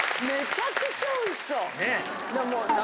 めちゃくちゃおいしそう。